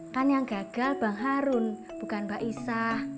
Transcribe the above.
kan yang gagal bang harun bukan mbak isa